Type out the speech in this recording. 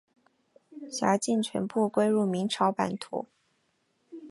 辖境全部归入明朝版图。